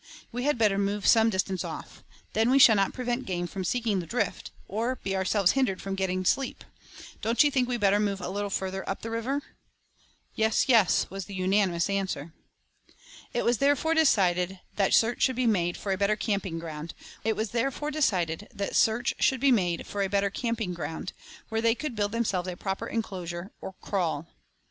We had better move some distance off. Then we shall not prevent game from seeking the drift, or be ourselves hindered from getting sleep. Don't you think we'd better move little farther up the river?" "Yes, yes," was the unanimous answer. It was therefore decided that search should be made for a better camping ground, where they could build themselves a proper enclosure, or "kraal."